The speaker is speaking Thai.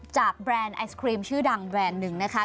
แบรนด์ไอศครีมชื่อดังแบรนด์หนึ่งนะคะ